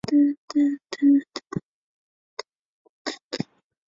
伦敦是一个位于美国阿肯色州波普县的城市。